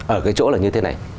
ở cái chỗ là như thế này